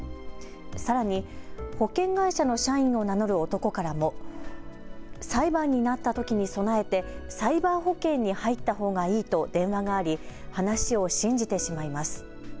さらに保険会社の社員を名乗る男からも裁判になったときに備えてサイバー保険に入ったほうがいいと電話があり話を信じてしまいます。